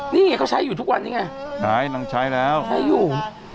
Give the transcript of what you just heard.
นี่ไงเขาใช้อยู่ทุกวันนี่ไงใช้อยู่